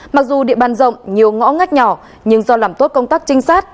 mặc dù địa bàn rộng nhiều ngõ ngách nhỏ nhưng do làm tốt công tác trinh sát